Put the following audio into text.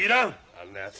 あんなやつ。